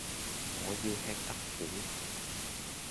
我要吃得苦